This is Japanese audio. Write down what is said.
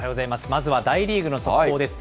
まずは大リーグの速報です。